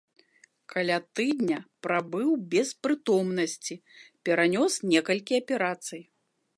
Каля тыдня прабыў без прытомнасці, перанёс некалькі аперацый.